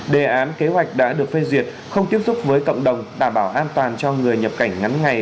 đề án kế hoạch đã được phê duyệt không tiếp xúc với cộng đồng đảm bảo an toàn cho người nhập cảnh ngắn ngày